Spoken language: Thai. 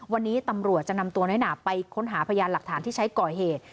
วันนี้ตำรวจจะนำตัวน้อยหนาไปค้นหาพยานหลักฐานที่ใช้ก่อเหตุ